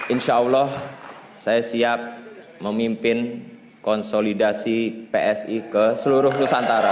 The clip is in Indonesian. insyaallah saya siap memimpin konsolidasi psi ke seluruh nusantara